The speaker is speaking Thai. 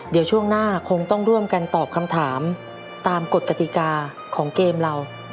เดี๋ยวช่วงหน้าคงต้องร่วมกันตอบคำถามตามกฎกติกาของเกมเรา